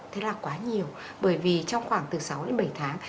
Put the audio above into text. thế là quá nhiều bởi vì trong khoảng từ sáu đến bảy tháng